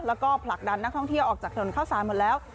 แล้วก็ผลักดันนักท่องเที่ยวออกจากถนนเข้าสารหมดแล้ว